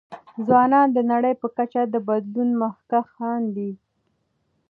ځوانان د نړۍ په کچه د بدلون مخکښان دي.